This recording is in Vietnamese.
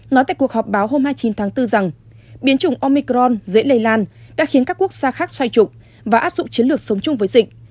nói tại cuộc họp báo hôm hai mươi chín tháng bốn rằng biến chủng omicron dễ lây lan đã khiến các quốc gia khác xoay trục và áp dụng chiến lược sống chung với dịch